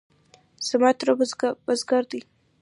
زما تره بزگر دی.